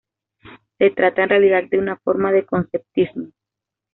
Se trata en realidad de una forma de conceptismo.